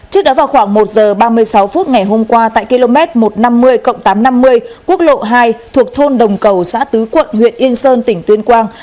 trước đó vào khoảng một giờ ba mươi sáu phút ngày hôm qua tại km một trăm năm mươi tám trăm năm mươi quốc lộ hai thuộc thôn đồng cầu xã tứ quận huyện yên sơn tỉnh tuyên quang